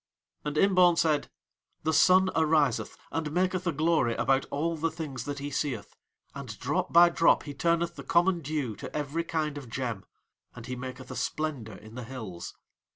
And Imbaun said: "The Sun ariseth and maketh a glory about all the things that he seeth, and drop by drop he turneth the common dew to every kind of gem. And he maketh a splendour in the hills.